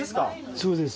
そうです。